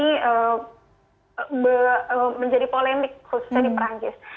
dan juga menjadi polemik khususnya di perancis